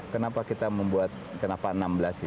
kenapa kita membuat kenapa enam belas itu